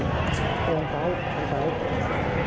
เพราะตอนนี้ก็ไม่มีเวลาให้เข้าไปที่นี่